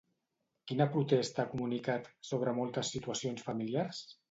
Quina protesta ha comunicat, sobre moltes situacions familiars?